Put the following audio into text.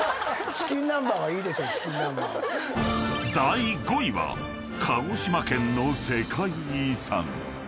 ［第５位は鹿児島県の世界遺産］